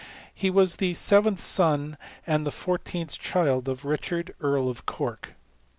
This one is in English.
He ^as the seventh son, and the fourteenth child of !iichard. Earl of Cork.